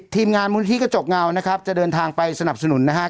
ทีมงานมูลที่กระจกเงานะครับจะเดินทางไปสนับสนุนนะฮะ